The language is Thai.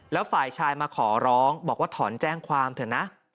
แล้วฝ่ายชายมาขอร้องบอกว่าถอนแจ้งความเถอะนะ